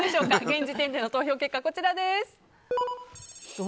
現時点での投票結果はこちらです。